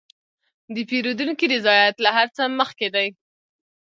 د پیرودونکي رضایت له هر څه مخکې دی.